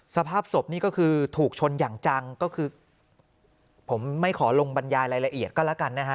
สภาพศพนี่ก็คือถูกชนอย่างจังก็คือผมไม่ขอลงบรรยายรายละเอียดก็แล้วกันนะฮะ